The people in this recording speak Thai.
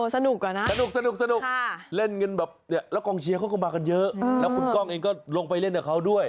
สนุกอ่ะนะสนุกเล่นกันแบบเนี่ยแล้วกองเชียร์เขาก็มากันเยอะแล้วคุณก้องเองก็ลงไปเล่นกับเขาด้วย